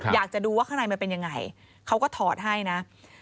อยากจะดูว่าข้างในมันเป็นยังไงเขาก็ถอดให้นะ